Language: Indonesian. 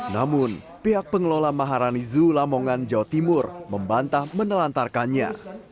namun pihak pengelola maharani zoo lamongan jawa timur membantah menelantarkannya